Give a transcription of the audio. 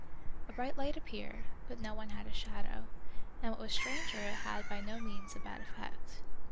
A bright light appeared, but no one had a shadow, and what was stranger it had by no means a bad effect.